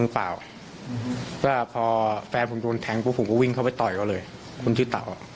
พวกเพื่อนเขาเนี่ย